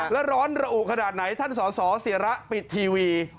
แล้วร้อนระอุขนาดไหนท่านสอสอเสียระปิดทีวี